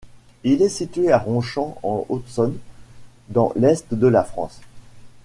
Il est situé à Ronchamp en Haute-Saône, dans l'Est de la France.